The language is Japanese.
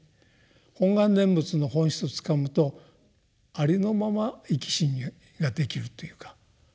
「本願念仏」の本質をつかむとありのまま生き死にができるというか。